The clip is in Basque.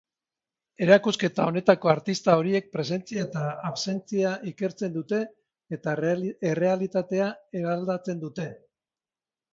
Erakusketa honetako artista horiek presentzia eta absentzia ikertzen dute eta errealitatea eraldatzen dute.